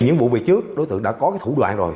những vụ về trước đối tượng đã có cái thủ đoạn rồi